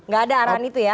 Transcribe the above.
gak ada arahan itu ya